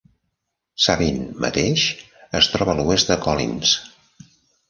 Sabine mateix es troba a l'oest de Collins.